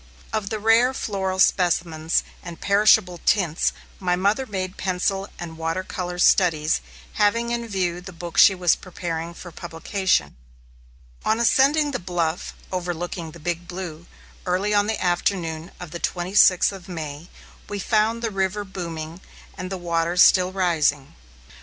Of the rare floral specimens and perishable tints, my mother made pencil and water color studies, having in view the book she was preparing for publication. On ascending the bluff overlooking the Big Blue, early on the afternoon of the twenty sixth of May, we found the river booming, and the water still rising.